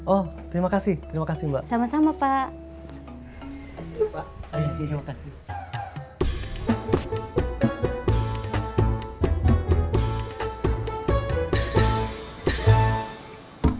oh terima kasih mbak